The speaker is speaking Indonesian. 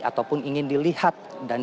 ataupun ingin dilihat dan